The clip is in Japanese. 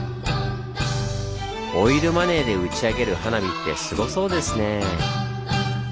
オイルマネーで打ち上げる花火ってすごそうですね。